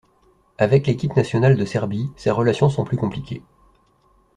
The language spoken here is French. Avec l'équipe nationale de Serbie, ces relations sont plus compliquées.